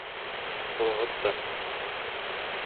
Lhota.